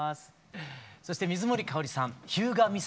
そして水森かおりさん「日向岬」